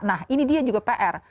nah ini dia juga pr